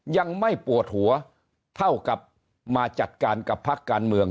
ยังไม่ปวดหัวเท่ากับมาจัดการกับพักการเมือง